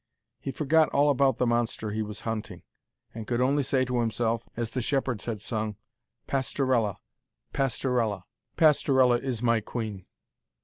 He forgot all about the monster he was hunting, and could only say to himself, as the shepherds had sung, 'Pastorella ... Pastorella ... Pastorella is my queen.'